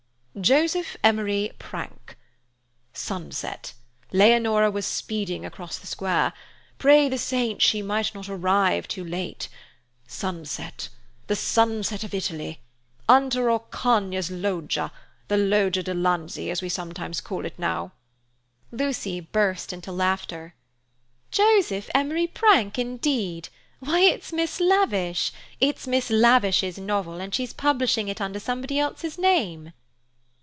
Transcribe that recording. "Joseph Emery Prank. 'Sunset. Leonora speeding across the square. Pray the saints she might not arrive too late. Sunset—the sunset of Italy. Under Orcagna's Loggia—the Loggia de' Lanzi, as we sometimes call it now—'" Lucy burst into laughter. "'Joseph Emery Prank' indeed! Why it's Miss Lavish! It's Miss Lavish's novel, and she's publishing it under somebody else's name."